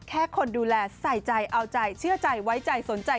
แค่คนดูแลใส่ใจเอาใจเชื่อใจไว้ใจสนใจ